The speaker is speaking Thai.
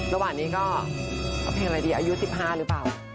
ระหว่างนี้ก็เอาเพลงอะไรดีอายุ๑๕หรือเปล่า